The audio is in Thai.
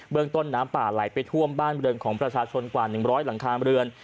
เรื่องต้นน้ำป่าไหลไปท่วมบ้านบริเวณของประชาชนกว่า๑๐๐หลังคาเรือน